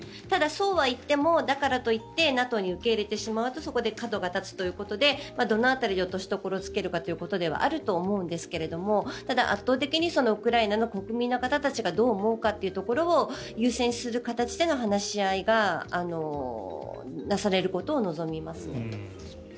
ただ、そうはいってもだからといってＮＡＴＯに受け入れてしまうとそこで角が立つということでどの辺りで落としどころをつけるかということではあると思うんですけどただ、圧倒的にウクライナの国民の方たちがどう思うかというところを優先する形での話し合いがなされることを望みますね。